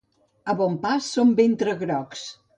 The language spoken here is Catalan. A Bompàs són ventre-grocs.